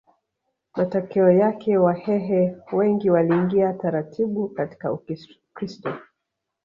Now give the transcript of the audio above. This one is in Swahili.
Matokeo yake Wahehe wengi waliingia taratibu katika Ukristo